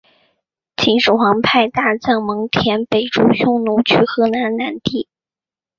秦始皇派大将蒙恬北逐匈奴取河南地。